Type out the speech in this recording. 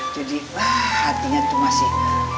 jadi hatinya itu masih